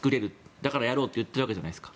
だからやろうと言っているわけじゃないですか。